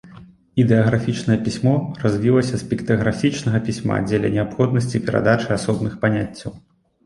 Ідэаграфічнае пісьмо развілася з піктаграфічнага пісьма дзеля неабходнасці перадачы асобных паняццяў.